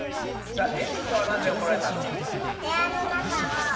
えみこはなんでおこられたの？